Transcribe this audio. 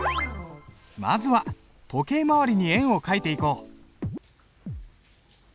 まずは時計回りに円を書いていこう。